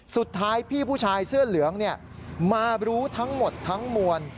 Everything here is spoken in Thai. สุดท้ายพี่ผู้ชายเสื้อเหลืองมารู้ทั้งหมดทั้งมวล